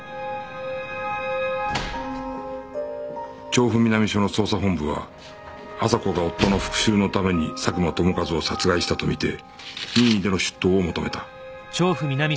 調布南署の捜査本部は麻子が夫の復讐のために佐久間友和を殺害したと見て任意での出頭を求めた